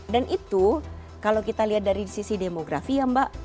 dan itu kalau kita lihat dari sisi demografi ya mbak